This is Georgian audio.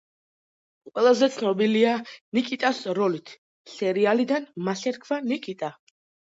ყველაზე ცნობილია ნიკიტას როლით, სერიალიდან „მას ერქვა ნიკიტა“.